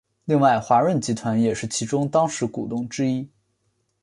另外华润集团也是其中当时股东之一。